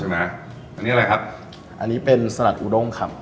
อันนี้อะไรครับอันนี้เป็นสลัดอูด้งครับ